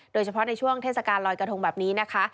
โดยเฉพาะในช่วงเทศกาลลอยกระทงแบบนี้นะคะ